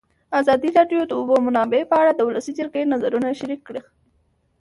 ازادي راډیو د د اوبو منابع په اړه د ولسي جرګې نظرونه شریک کړي.